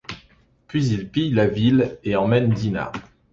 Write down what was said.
Puis ils pillent la ville et emmènent Dinah.